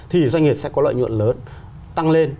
thì doanh nghiệp sẽ có lợi nhuận lớn tăng lên